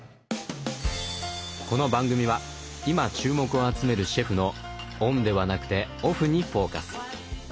この番組は今注目を集めるシェフのオンではなくてオフにフォーカス。